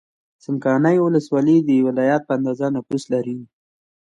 څمکنیو ولسوالۍ د ولایت په اندازه نفوس لري.